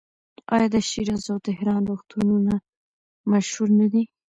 آیا د شیراز او تهران روغتونونه مشهور نه دي؟